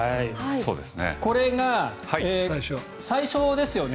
これが最初ですよね。